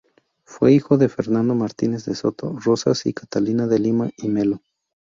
Fue hijo de Fernando Martínez de Soto Rozas y Catalina de Lima y Melo.